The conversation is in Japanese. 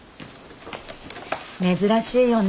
珍しいよね